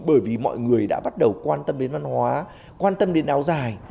bởi vì mọi người đã bắt đầu quan tâm đến văn hóa quan tâm đến áo dài